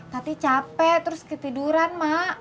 tapi capek terus ketiduran mak